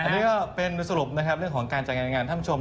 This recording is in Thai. เพื่อเป็นสรุปนะครับเรื่องของการแต่งงานท่านผู้ชม